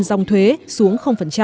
tổng số dòng thuế xuống